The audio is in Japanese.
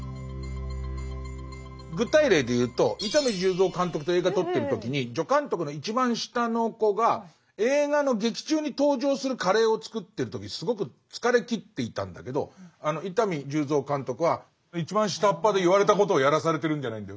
具体例でいうと伊丹十三監督と映画撮ってる時に助監督の一番下の子が映画の劇中に登場するカレーを作ってる時すごく疲れきっていたんだけど伊丹十三監督は「一番下っ端で言われたことをやらされてるんじゃないんだよ。